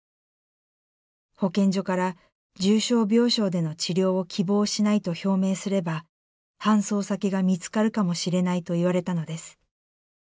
保健所から重症病床での治療を希望しないと表明すれば搬送先が見つかるかもしれないと言われたのです。